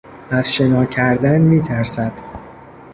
از شنا کردن میترسد.